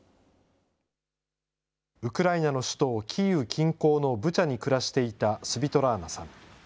ウクライナの首都キーウ近郊のブチャに暮らしていたスヴィトラーナさん。